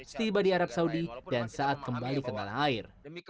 setiba di arab saudi dan saat kembali ke tanah air